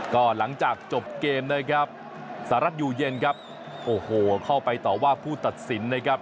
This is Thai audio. ก็หลังจากจบเกมนะครับสหรัฐอยู่เย็นครับโอ้โหเข้าไปต่อว่าผู้ตัดสินนะครับ